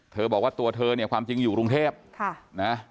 บอกว่าตัวเธอเนี่ยความจริงอยู่กรุงเทพนะ